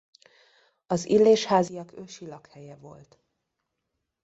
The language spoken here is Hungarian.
Az Illésházyak ősi lakhelye volt.